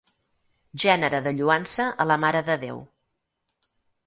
Gènere de lloança a la marededéu.